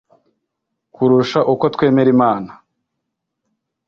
kurusha uko twemera imana